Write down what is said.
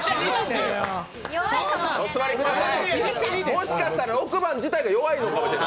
もしかしたら６番自体が弱いのかも。